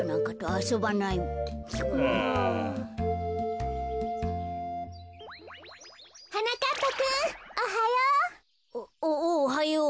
おおはよう。